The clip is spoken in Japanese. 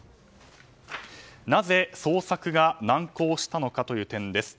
なぜ、捜索が難航したのかという点です。